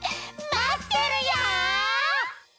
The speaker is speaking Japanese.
まってるよ！